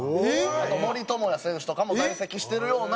あと森友哉選手とかも在籍してるような。